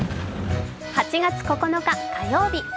８月９日火曜日